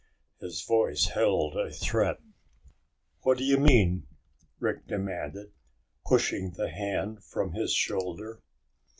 His voice held a threat. "What do you mean?" Rick demanded, pushing the hand from his shoulder.